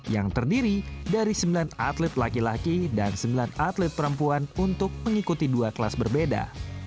yang terdiri dari sembilan atlet laki laki dan sembilan atlet perempuan untuk mengikuti dua kelas berbeda